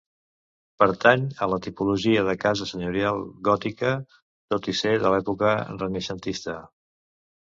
Pertany a la tipologia de casa senyorial gòtica, tot i ser de l'època renaixentista.